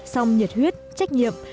song nhiệt huyết trách nhiệm